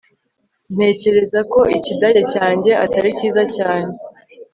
ntekereza ko ikidage cyanjye atari cyiza cyane